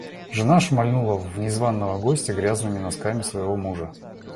Жена шмальнула в незваного гостя грязными носками своего мужа.